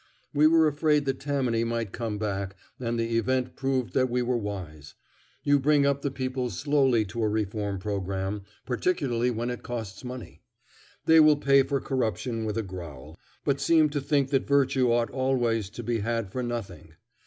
We were afraid that Tammany might come back, and the event proved that we were wise. You bring up the people slowly to a reform programme, particularly when it costs money. They will pay for corruption with a growl, but seem to think that virtue ought always to be had for nothing.